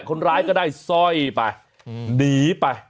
คนร้ายก็ได้สร้อยไปหนีไป